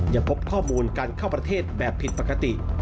ยังพบข้อมูลการเข้าประเทศแบบผิดปกติ